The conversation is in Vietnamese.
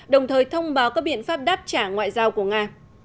đồng thời thông báo các biện pháp đáp trả ngoại giao của nga